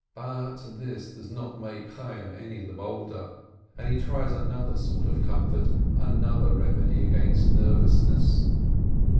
But this does not make Chayyim any the bolder, and he tries another sort of comfort, another remedy against nervousness.